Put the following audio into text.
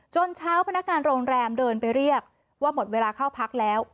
เช้าพนักงานโรงแรมเดินไปเรียกว่าหมดเวลาเข้าพักแล้ว